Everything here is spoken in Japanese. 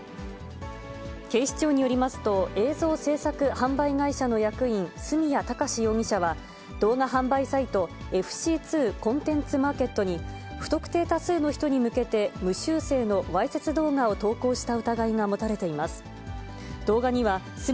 警視庁によりますと、映像制作販売会社の役員、角谷貴史容疑者は、動画販売サイト、ＦＣ２コンテンツマーケットに、不特定多数の人に向けて、無修正のわいせつ動画を投稿した疑いが持たれています。